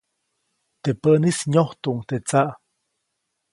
Teʼ päʼnis nyojtuʼuŋ teʼ tsaʼ.